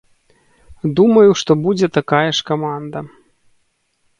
Думаю, што будзе такая ж каманда.